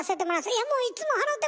「いやもういつも払てもうて」